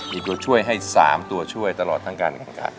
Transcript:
มีตัวช่วยให้๓ตัวช่วยตลอดทั้งการ